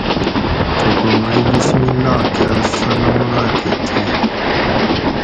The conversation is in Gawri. تھوکو مئ بسم اللّٰہ کاۤ صنم راۤکہ تھیگ